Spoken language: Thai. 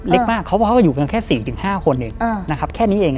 เล็กมากเขาบอกว่าอยู่กันแค่๔๕คนเองนะครับแค่นี้เอง